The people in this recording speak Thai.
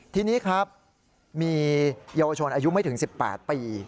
ทีนี้ครับมีเยาวชนอายุไม่ถึง๑๘ปี